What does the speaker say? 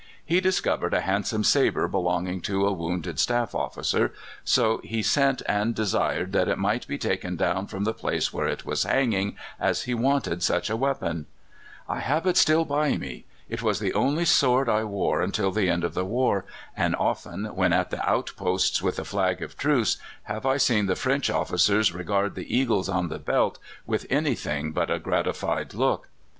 He discovered a handsome sabre belonging to a wounded staff officer, so he sent and desired that it might be taken down from the place where it was hanging, as he wanted such a weapon. "I have it still by me. It was the only sword I wore until the end of the war, and often, when at the outposts with a flag of truce, have I seen the French officers regard the eagles on the belt with anything but a gratified look.